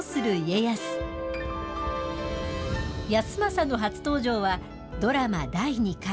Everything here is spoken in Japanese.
康政の初登場は、ドラマ第２回。